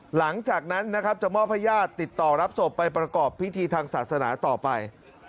หลังจากนั้นนะครับจะมอบให้ญาติติดต่อรับศพไปประกอบพิธีทางศาสนาต่อไป